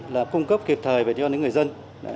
là cung cấp kịp thời về cho những người dân